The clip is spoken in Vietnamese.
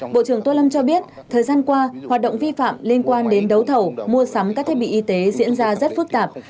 bộ trưởng tô lâm cho biết thời gian qua hoạt động vi phạm liên quan đến đấu thầu mua sắm các thiết bị y tế diễn ra rất phức tạp